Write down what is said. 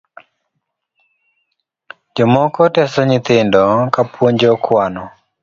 Jomoko teso nyithindo kapuonjo kwano